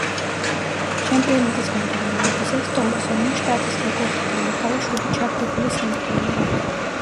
ჩემპიონატის მიმდინარეობისას ტომპსონმა შტატის რეკორდი დაამყარა შვიდი ჩაგდებული სამქულიანით.